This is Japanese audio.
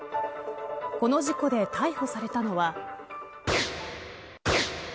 この事故で逮捕されたのは。